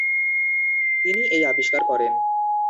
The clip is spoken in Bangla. তিনি এই আবিষ্কার করেন।